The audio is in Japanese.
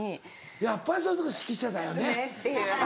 「やっぱりそういうとこ指揮者だよねああ。